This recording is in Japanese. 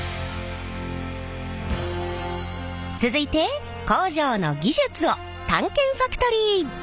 続いて工場の技術を探検ファクトリー！